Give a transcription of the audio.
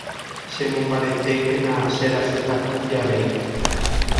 Chemombaretékena cherasykatu jave.